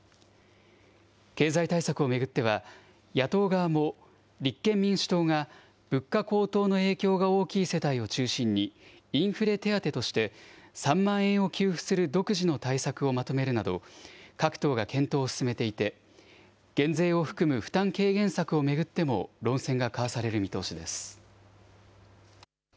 経済対策を巡っては、野党側も立憲民主党が物価高騰の影響が大きい世帯を中心に、インフレ手当として３万円を給付する独自の対策をまとめるなど、各党が検討を進めていて、減税を含む負担軽減策を巡っても論戦が交わされる見通しです。